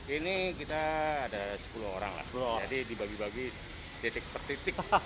ini kita ada sepuluh orang lah jadi dibagi bagi titik per titik